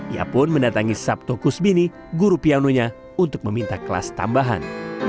ia pun mendatangi sabto kusbini guru pianonya untuk meminta kelas tambahan